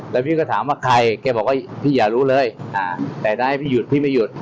แล้วพี่ก็ถามว่าใครแกบอกว่าพี่อย่ารู้เลยแต่ได้พี่หยุดพี่ไม่หยุด